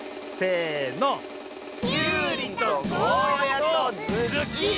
きゅうりとゴーヤーとズッキーニ！